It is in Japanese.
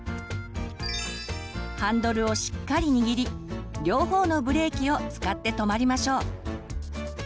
ハンドルをしっかり握り両方のブレーキを使って止まりましょう。